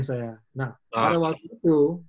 nah pada waktu itu